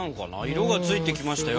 色がついてきましたよ